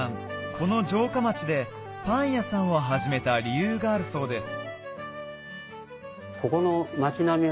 この城下町でパン屋さんを始めた理由があるそうです